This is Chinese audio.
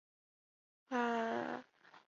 成化十二年改为寻甸府。